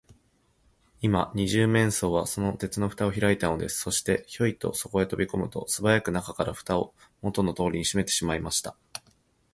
今、二十面相は、その鉄のふたをひらいたのです。そして、ヒョイとそこへとびこむと、すばやく中から、ふたをもとのとおりにしめてしまいました。